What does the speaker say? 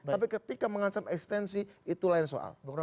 tapi ketika mengancam ekstensi itu lain soal